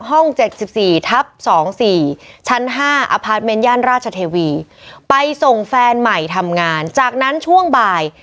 ๗๔ทับ๒๔ชั้น๕อพาร์ทเมนต์ย่านราชเทวีไปส่งแฟนใหม่ทำงานจากนั้นช่วงบ่าย